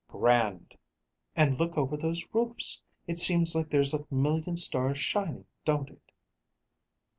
"Grand!" "And look over those roofs! It seems like there's a million stars shining, don't it?"